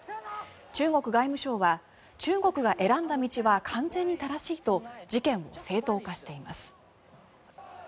中国外務省は中国が選んだ道は完全に正しいと事件を正当化しています。